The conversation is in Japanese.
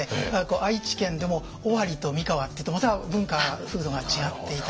愛知県でも尾張と三河っていうとまた文化風土が違っていたりですね。